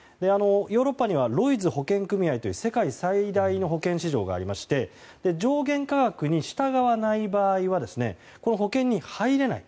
ヨーロッパにはロイズ保険組合という世界最大の保険市場がありまして上限価格に従わない場合は保険に入れない。